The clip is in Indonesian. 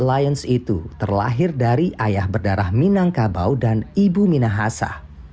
lions itu terlahir dari ayah berdarah minangkabau dan ibu minahasa